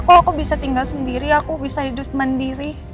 kalau aku bisa tinggal sendiri aku bisa hidup mandiri